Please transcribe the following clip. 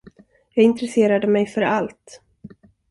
Jag intresserade mig för allt.